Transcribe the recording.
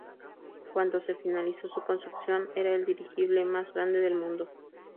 Cuando se finalizó su construcción era el dirigible más grande del mundo.